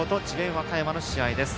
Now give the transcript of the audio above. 和歌山の試合です。